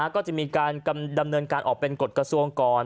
ก็จะมีการดำเนินการออกเป็นกฎกระทรวงก่อน